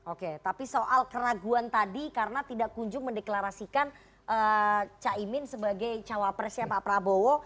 oke tapi soal keraguan tadi karena tidak kunjung mendeklarasikan caimin sebagai cawapresnya pak prabowo